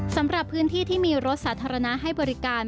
สำหรับพื้นที่ที่มีรถสาธารณะให้บริการ